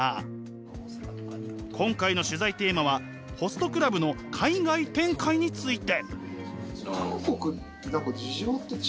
今回の取材テーマはホストクラブの海外展開について。